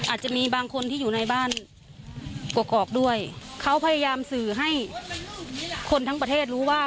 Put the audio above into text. อาจจะมีบางคนที่อยู่ในบ้านกรกด้วยเขาพยายามสื่อให้คนทั้งประเทศรู้ว่า